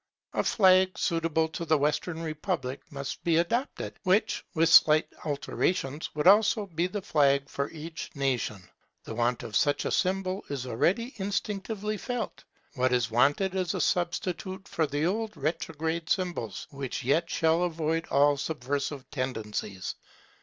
A flag suitable to the Western Republic might be adopted, which, with slight alterations, would also be the flag for each nation. The want of such a symbol is already instinctively felt. What is wanted is a substitute for the old retrograde symbols, which yet shall avoid all subversive tendencies.